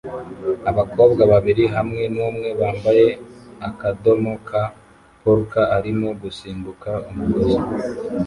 Abakobwa babiri hamwe numwe wambaye akadomo ka polka arimo gusimbuka umugozi